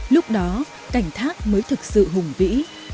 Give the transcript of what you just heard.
lúc đó cảnh thác mới thực sự hùng vĩ